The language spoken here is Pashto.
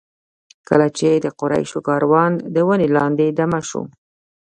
کله چې د قریشو کاروان د ونې لاندې دمه شو.